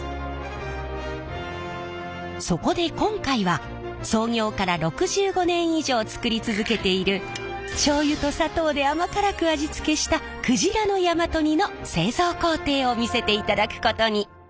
そこで今回は創業から６５年以上作り続けているしょうゆと砂糖で甘辛く味付けした鯨の大和煮の製造工程を見せていただくことに！